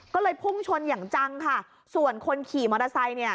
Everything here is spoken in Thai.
ก็เลยพุ่งชนอย่างจังค่ะส่วนคนขี่มอเตอร์ไซค์เนี่ย